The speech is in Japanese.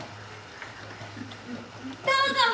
どうぞ。